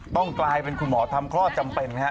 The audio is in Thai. ต้องกลายเป็นคุณหมอทำคลอดจำเป็นฮะ